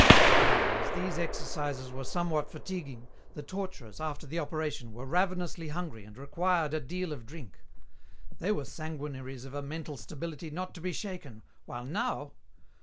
Only, as these exercises were somewhat fatiguing, the torturers, after the operation, were ravenously hungry and required a deal of drink. They were sanguinaries of a mental stability not to be shaken, while now!